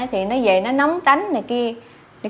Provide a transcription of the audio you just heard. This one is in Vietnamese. thì nó về nó nóng tánh này kia